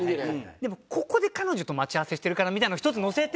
でもここで彼女と待ち合わせしてるからみたいなの１つ乗せて。